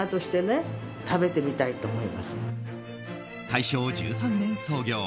大正１３年創業